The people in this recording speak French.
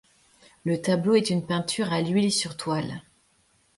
Le tableau est une peinture à l'huile sur toile.